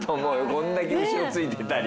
こんだけ後ろついてたり。